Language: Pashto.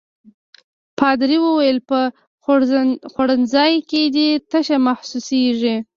پادري وویل: په خوړنځای کې دي تشه محسوسيږي.